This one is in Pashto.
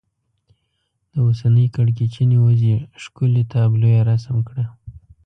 د اوسنۍ کړکېچنې وضعې ښکلې تابلو یې رسم کړه.